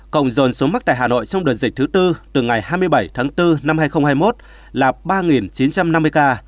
cộng dồn số mắc tại hà nội trong đợt dịch thứ tư từ ngày hai mươi bảy tháng bốn năm hai nghìn hai mươi một là ba chín trăm năm mươi ca